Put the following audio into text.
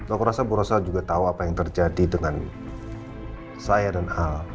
aku rasa bu rosal juga tahu apa yang terjadi dengan saya dan hal